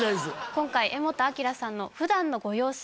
今回柄本明さんの普段のご様子